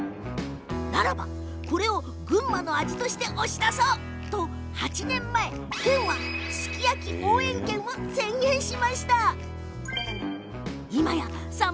ならば、これを群馬の味として押し出そう！と、８年前に県は、すき焼き応援県を宣言したんです。